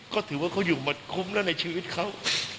ก็ถือว่าเขาอยู่มาคุ้มแล้วในชีวิตเขา